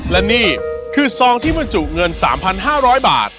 และนี่คือซองที่บรรจุเงิน๓๕๐๐บาท